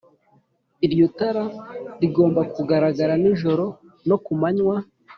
Iryo tara rigomba kugaragara nijoro no ku manywa